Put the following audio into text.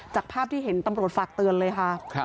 จากภาพที่เห็นตำรวจฝากเตือนเลยค่ะ